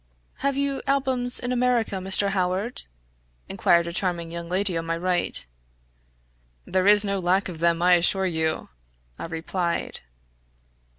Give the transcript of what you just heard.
"Have you albums in America, Mr. Howard?" inquired a charming young lady on my right. "There is no lack of them, I assure you," I replied.